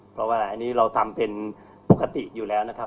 เพราะว่าอันนี้เราทำเป็นปกติอยู่แล้วนะครับ